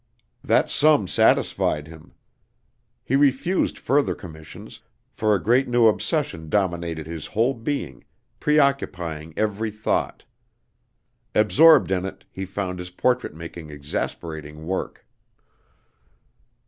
That sum satisfied him. He refused further commissions, for a great new obsession dominated his whole being, preoccupying every thought. Absorbed in it, he found his portrait making exasperating work.